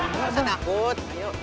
enggak usah takut